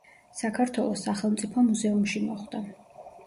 საქართველოს სახელმწიფო მუზეუმში მოხვდა.